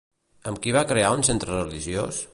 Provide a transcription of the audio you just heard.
Amb qui va crear un centre religiós?